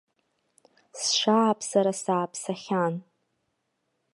Сшааԥсара сааԥсахьан.